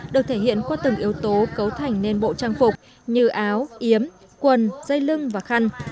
được thể hiện qua từng yếu tố cấu thành nên bộ trang phục như áo yếm quần dây lưng và khăn